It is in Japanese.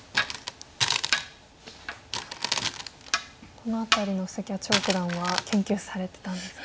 この辺りの布石は張九段は研究されてたんですか？